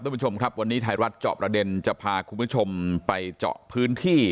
คุณผู้ชมครับวันนี้ไทยรัฐเจาะประเด็นจะพาคุณผู้ชมไปเจาะพื้นที่